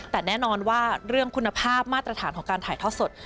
แต่แน่นอนว่าเรื่องคุณภาพมาตรฐานของการถ่ายทอดสด